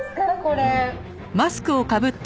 これ。